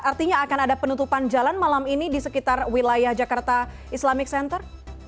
artinya akan ada penutupan jalan malam ini di sekitar wilayah jakarta islamic center